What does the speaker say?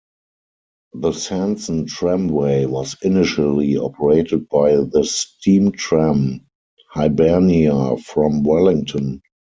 The Sanson Tramway was initially operated by the steam tram "Hibernia" from Wellington.